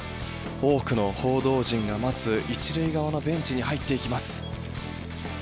多くの報道陣が待つ１塁側のベンチに入っていきます。